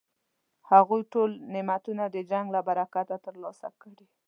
هغوی ټول نعمتونه د جنګ له برکته ترلاسه کړي.